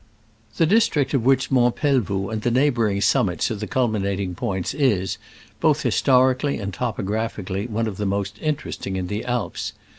The district of which Mont Pelvoux and the neighboring summits are the culminating points is, both historically and topographically, one of the most interesting in the Alps.